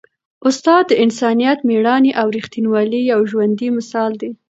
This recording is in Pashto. استاد د انسانیت، مېړانې او ریښتینولۍ یو ژوندی مثال دی.